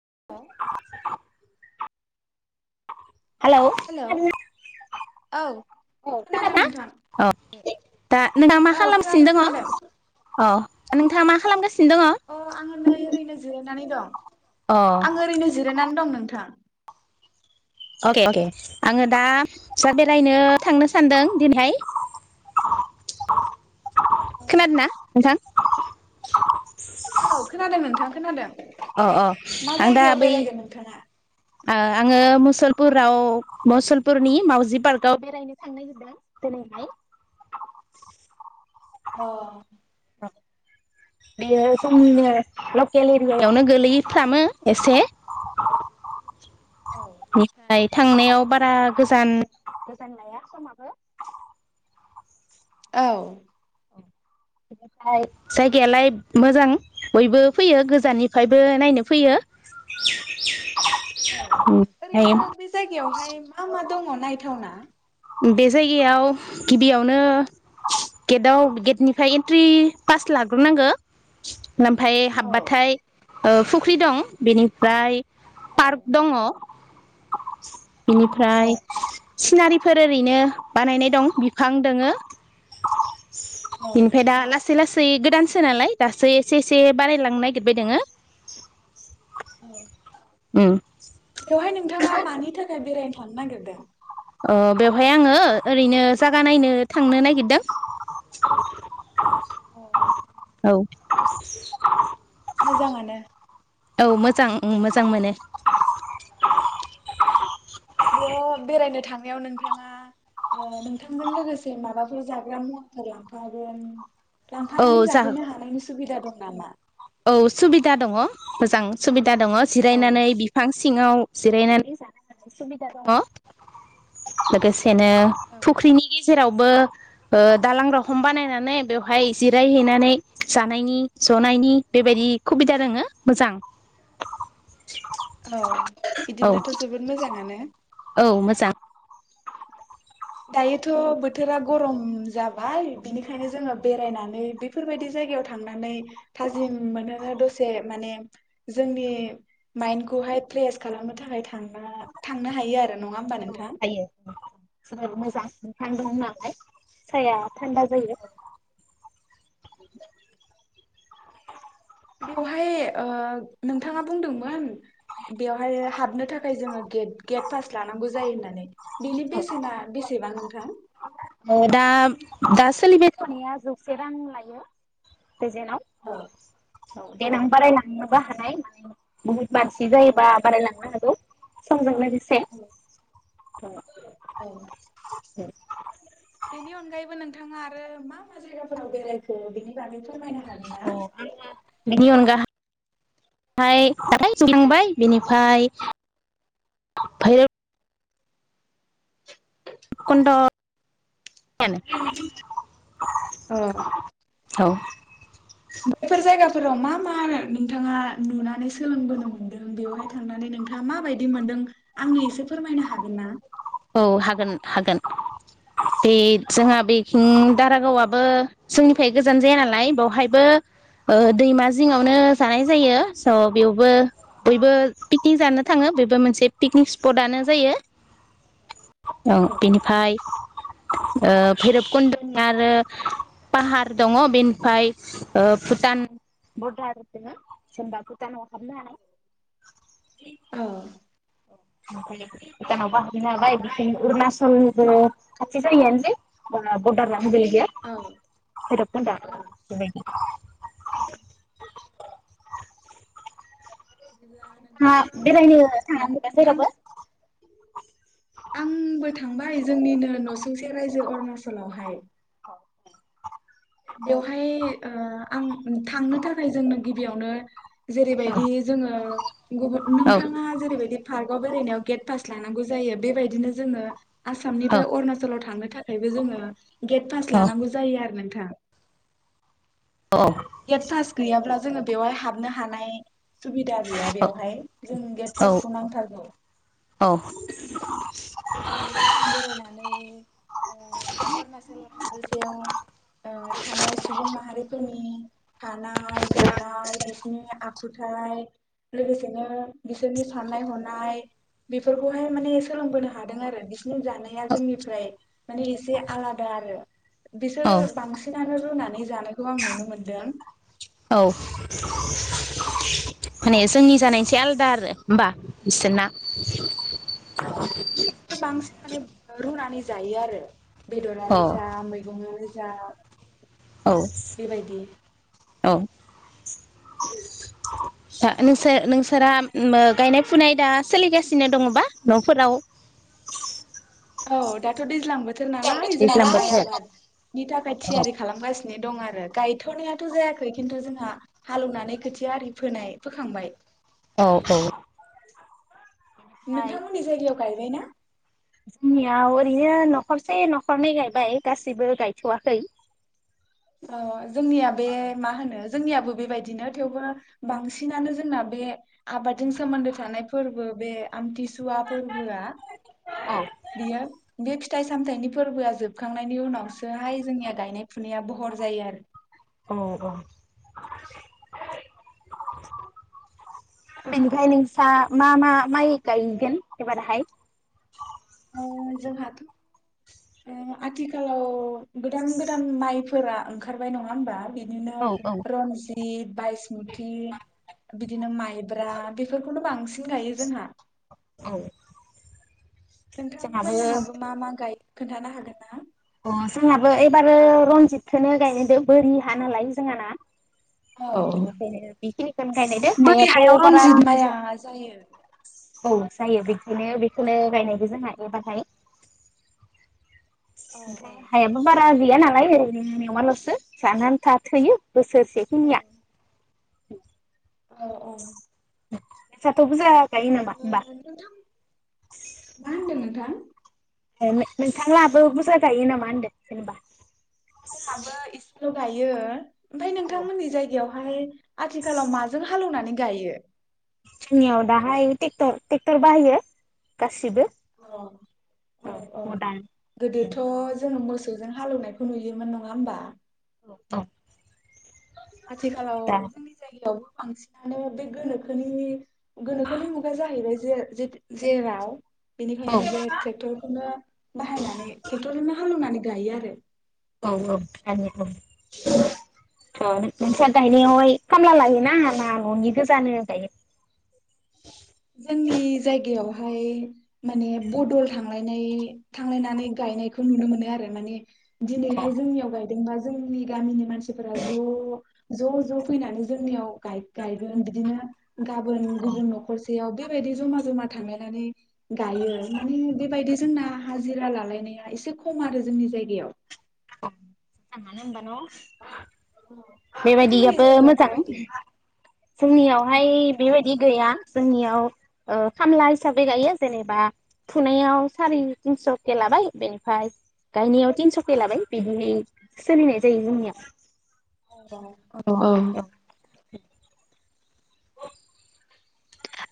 [inaudible] Hello औ खोनादों खोनादोंना? नोंथां औ दा नोंहा मा औ खालामसिनो खोनादों दङ खोनादों अ नोंथाङा मा खालामगासिनो दङ अ आङो नै ओरैनो जिरायनानै दं। अ आं ओरैनो जिरायनानै दं नों थां अके अके आङो दा सा बेरायनो थांनो सानदों दिनैहाय। खोनादोंना नोंथां? औ खोनादों नोंथां खोनादों अ अ मा आं दा जायगायाव बै बेरायगोन नोंथाङा आङो मुसल पुराव मसलपुरनि मावजि पार्कआव बेरायनो थांनो नागिरदों दिनैहाय। अ बेयो जोंनिनो लकेल एरियायावनो गोलैफ्रामो एसे। [inaudible] थांनायाव बारा गोजान गोजान लाया समाबो। औ बेनिफ्राय जायगायालाय मोजां बयबो फैयो गोजाननिफ्रायबो नायनो फैयो। औ ओमफ्राय ओरैनो बे जायगायावहाय मा मा दङ नायथावना? बे जायगायाव गिबियावनो गेटआव गेटनिफ्राय एन्ट्रि पास लाग्रोनांगो ओमफ्राय औ हाबबाथाय औ फुख्रि दं बेनिफ्राय औ पार्क दङ। औ बेनिफ्राय सिनारि फोर ओरैनो बानायनाय दं बिफां दोङो। औ बिनिफ्राय दा ला लासै लासै गोदानसो नालाय दासो एसे एसे बारायलांनो नागिरबाय दोङो। औ ओम बेवहाय नोंथाङा मानि थाखाय बेरायनो थांनो नागिरदों? ओ बेवहाय आङो ओरैनो जागा नायनो थांनो नागिरदों। औ औ मोजाङानो। औ मोजां मोजां मोनो। बेयाव बेरायनो थांनायाव नोंथाङा ओ नोंथांजों लोगोसे माबाफोर जाग्रा मुवाफोर लांफागोन औ लांफानानै जा जाहैनो हानायनि सुबिदा दं नामा औ सुबिदा दङ मोजां सुबि दा दङ औ जिरायनानै बिफां सिङाव जिरायनानै जानाय सुबिदा दंङो लोगोसे सेनो औ फुख्रिनि गेजेराव बो दालां रखम बानायनानै बेवहाय जिरायहैनानै जानायनि जनायनि बेबायदि खुबिदा दोङो मोजां औ औ बिदिब्लाथ' जोबोद मोजाङानो औ मोजां दायोथ' बोथोरा गरम जाबाय बिनिखायनो जोङो बेरायनानै बेफोरबायदि जायगायाव थांनानै थाजिम मोनहोनो दसे माने जोंनि माइन्डखौहाय फ्रेस खालामनो थाखायांना थांनो हायो आरो नङा होमबा औ नोंथां? हायो [unintelligible] दा बिफां दं नालाय साया थान्दा जायो बेवहाय ओ नोंथाङा बुंदोंमोन बेवहाय हाबनो थाखाय जोङोे गेट पास लानांगौ जायो होननानै बिनि बेसेना बेसेबां नोंथां? दा दा सोलिबाय थानाया जौसे रां लायो प्रेजेटाव औ देेनां बाराय लांनो बो हानाय गुबै बारसि जायोबा बारायलांनो हागौ समजों लोगो से [inaudible] औ [unintelligible] बेनि अनगायैबो नोंथाङा आरो मा मा जायगाफोराव बेरायखो बेनि बागै फोरमायना हागोनना बेनि अनगाहाय [unintelligible] थांबाय बेनिफ्राय भैरब कुन्द' [unintelligible] औ औ मानो नोंथाङा नुनानै सोलोंबोनो मोन्दों बेवहाय थांनानै नोंथाङा माबायदि मोनदों आंनो एसे फोरमायनो हागोन ना? औ हागोन हागोन बे जोंहा बेखिं दारागावाबो जोंनिफ्राय गोजान जाया नालाय बेवहायबो दैमा जिङावनो जानाय जायो स' बेवबो बयबो पिकनिक जानो थाङो बेबो मोनसे पिकनिक स्पटनो जायो औ बेनिफ्राय ओ भैरबकुन्दनि आरो पाहार दङ बेनिफ्राय भुटान बरडार दङ जेबा भुटानाव हाबनो हानाय [unintelligible] भुटानावबो हाबैनो हाबाय बिथिं अरुणचलनिबो खाथि जायो आनोसै भुटाना [unintelligible] गैया औ भैरबकन्दआ औ बेबायदि बिदिब्ला नोंथाङा नोंथाङाथ' आंनो बेरायनो थाङाखै दा नोंथां जेरावबो? [inaudible] आंबो थांबाय जोंनिनो नसुंसे रायजो अरुणाचलावहाय बेवहाय ओ आं थांनो थाखाय जोंनो गिबियावनो जेरैबायदि जोंङो गुबुन औ नोंथाङा जेरैबायदि पार्क बबावबा बेरायनायाव गेट फास लानांगौ जायो बेबायदिनो जोंङो औ आसामनिफ्राय अरुणाचलाव थांनो थाखायबो जोंङो गेट फास्ट औ लानांगौ जायो आरो नों थां अ गेट फासट गैयाब्ला जोंङो बेवहाय हाबनो हानाय सुबिदा गैया बेवहाय जों गेट फासखौ नांथारगौ। औ बेवहाय आं बेरायनानै ओ बे अरुणचल हादोरसायाव थानाय सुबुं माहारिफोरनि थानाय जानाय बिसिनि आखु थाय लोगोसेनो बिसोरनि साननाय हनाय बेफोरखौहाय माने सोलोंबोनो हादों आरो बिसिनि जानाया जोंनिफ्राय माने एसे आलादा आरो। औ बिसोर बांसिनानो रुना नै जानायखौ आं नुनो मोनदों। औ माने जोंनि जानायनिसाय आलदा आरो होमबा बिसोरना औ बिसोर बांसिन माने रुनानै जायो आरो। औ बेदरानो जा मैगंआनो जा औ बेबायदि औ दा नोंसर-नोंसोरा अम गायनाय फुनाय दा सोलिगासिनो दङबा नफोराव। औ दाथ दैज्लां बो थोर नालाय जोंहा दैज्लां माइ बोथोर आबादनि थाखाय औ थियारि खालामगासिनो दं आ रो गायथनायाथ जायाखै खिन्थु जोंहा हालौवनानै खोथिया आरि फोनाय फोखांबाय। औ औ नोंथांमोननि जायगायाव गायबाय ना जोंनियाव ओरैनो नखरसे नखरनै गायबाय गासैबो गायथवाखै। अ जोंनिया बे मा होनो जोंनियाबो बेबायदिनो थेवबो बांसिनानो जोंना बे आबादजों सोमोन्दो थानाय फोरबो बे आमथि सुवा फोरबोआ बियो बे फिथाइ सामथाइनि फोरबोआ जोबखांनायनि उनावसोहाय जोंनिया गायनाय फुनाया बहर जायो आरो। अ औ [unintelligible] बेनिफ्राय नोंस्रा मा मा माइ गायगोन एबाराहाय? अ जोंहाथ' आथिखालाव गोदान गोदान माइ फोरा ओंखारबाय नङा होमबा बि बिदिनो औ औ रनजि त। बायसमुथि बिदिनो माइब्रा बेफोरखौनो बांसिन बांसिन गायो जोंहा। औ। जोंहाबो नोंथांमोनहाबो मा मा गायो? खोन्थानो हागोन ना? अ जोंहाबो एबारो रनजितखौनो गायनोदो बोरि हा नालाय जोंहाना औ बेनिखायनो बेखिनिखौनो गायनायदो बै हायाव हाथ' बारा रनजित माइआ बुरजा जायो औ जायो बिदिनो बेखौनो गायनायबो जोंहा एबारहाय औ औ हायाबो बा रां गैया नालाय ओरैनो मेवाल'सो जानो आन्था थोयो। बोसोरसेखिनिया [unintelligible] औ औ। [unintelligible] थ' बुरजा गायो नामा होनबा। नोंथां मा होनदों नोंथां? ए नोंथांलाबो बुरजा गायो नामा होन्दो जेनेबा? जों हाबो ल' गायो ओमफ्राय औ नोंथांमोननि जायगायाव हाय आथिखालाव माजों हालेवनानै गायो। जोंनियाव दाहाय ट्रेक्टर ट्रेक्टर बाहायो गासिबो औ औ गोदोथ' जोंङो मोसौ सौजों हालेवनायखौ नुयोमोन नङा होमबा! औ औ। आथिखालाव दा जोंनि जायगायावबो बांसिनानो बे गोनोखोनि गोनोखोनि मुगा जाहैबाय जे जेराव औ बेनिखायनो बे ट्रेक्टरखौनो बाहायनानै ट्रेक्टरखौनो हालेवनानै गायो आरो औऔ गायो औऔ नोंसा गायनायावहाय खामला लायोना ना न'नि गोजानो गायो जोंनि जायगायावहाय माने बदल थांलायनाय थांलायनानै गायनायखौ नुनो मोनो आरो माने दिनैहाय जोंनियाव गाय बा जोंनि गामिनि मानसिफोरा ज' ज' ज' फैनानै जोंनियाव गायगोन बिदिनो गाबोन गुबुन न'खर सेयाव बेबायदि जमा जमा थांलायनानै गायो माने बेबायदि जोंना हाजिरा लालायनाया एसे खम आरो जोंनि जायगायाव मोजाङानो होमबा न' नोंथांमोननि बेबायदियाबो जायगायाव मोजां माबायदि जोंनियावहाय नोंथांमोननि जायगायाव बेबायदि गैया जोंनियाव ओ खामला हिसाबै गायो जेनेबा फुनायाव सारि तिनस'के लाबाय बेनिफाय गायनायाव तिनस'के लाबाय बिदि सोलिनाय जायो जोंनिया औ औ [inaudible]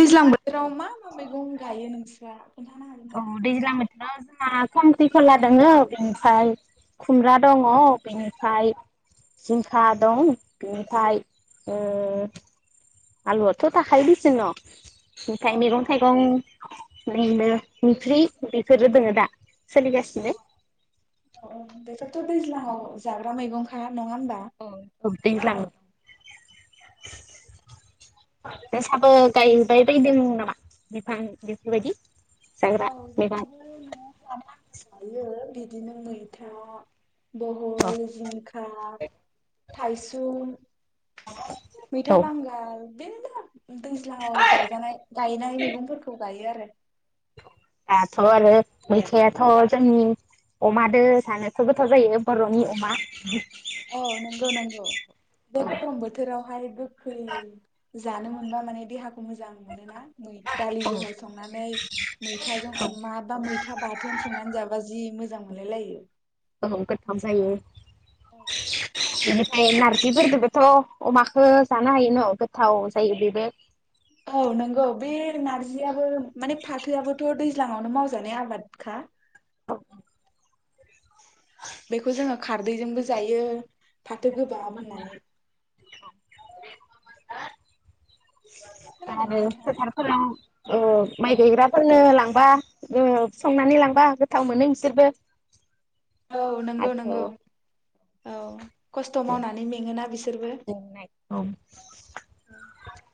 दैज्लां बोथोराव मा मा मैगं गायो नोंस्रा खोन्थानो हागोन औ ना दैज्लां नोंथां? बोथोराव जा खांख्रिखला दङ बेनिफाय खुमब्रा दङ बेनिफाय जिंखा दं बेनिफाय ओ आलुआथ' थाखायो दिसं न औ ओमफाय मैगं थाइगं बिनो ओंख्रि बेफोरो दोङो दा सोलि गासिनो थ' दैज्लाङाव जाग्रा मैगंफ्रा अ औ दैज्लां नोंसाबो गायबाय बायदों नामा बिफां बेफोरबायदि औ जाग्रा मैगं जोंहाबो न'आव जानो आनथा गायो बिदिनो मैथो बहल जिंखा थाइसुम मैथा औ बांगाल मेल्ला दैज्लाङाव जाजानाय गायनाय मैगंफोरखौ गायो आरो [inaudible] दाथ' आरो मैथायाथ' जोंनि अमादो जानोथ' गोथाव जायो बर'नि अमा औ नंगौ नंगौ बे गरम बोथोरावहाय गोखै जानो मोनबा माने देहा खौ मोजां मोनो ना दालि जहल संनानै मैथाजों अमा बा मैथा बाथोन संनानै जाबा जि मोजां मोजां मोनलायलायो। औ गोथाम जायो। [unintelligible] ओमफ्राय नारजिफोरदबोथ' अमाख जानो हाय न' गोथाव जायो बेबो। औ नंगौ बे नारजियाबो माने फाथोयाबोथ' दैज्लाङावनो मावजानाय आबादखा। बेखौ जोङो खारदैजोंबो जायो फाथो गोबाब होननानै। आरो खोनादोंना नोंथाङा फोथारफोराव ओ माइ औ गायग्राफोरनो लां बा उम संनानै लांबा गोथाव मोनो बिसोरबो औ नंगौ आरो नंगौ। औ। खस्थ' मावनानै मेङोना बिसोरबो।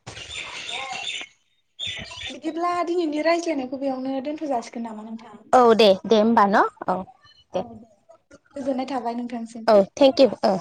[unintelligible] बिदिब्ला दिनैनि रायज्लायनायखौ बेयावनो दोनथ' जाासिगोन नामा नों औ दे। दे होमबा न' औ औ दे गोजोननाय थाबाय नोंथांसिम। औ थेंक इउ ओ